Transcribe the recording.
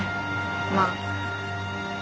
まあ。